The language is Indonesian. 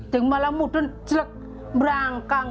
yang malah muda jelek merangkang